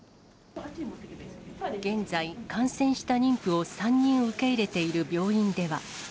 現在、感染した妊婦を３人受け入れている病院では。